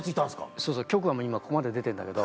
そうそう局はもう今ここまで出てるんだけど。